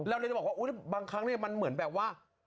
เราจะบอกว่าบางครั้งเนี่ยมันเหมือนแบบว่า